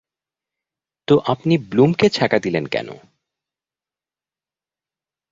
তো, আপনি ব্লুম কে ছ্যাকা দিলেন কেন?